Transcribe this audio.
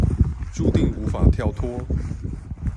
註定無法跳脫